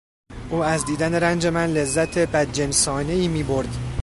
او از دیدن رنج من لذت بدجنسانهای میبرد.